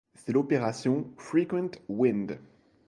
C'est l'opération Frequent Wind.